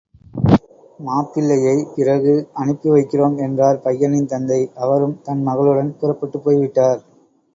மாப்பிள்ளையைப் பிறகு அனுப்பிவைக்கிறோம் என்றார் பையனின் தந்தை அவரும், தன் மகளுடன் புறப்பட்டுப் போய் விட்டார்.